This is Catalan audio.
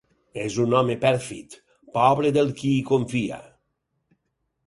És un home pèrfid: pobre del qui hi confia!